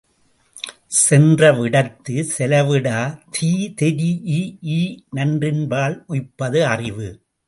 சென்றவிடத்துச் செலவிடா தீதொரீஇ நன்றின்பால் உய்ப்பது அறிவு.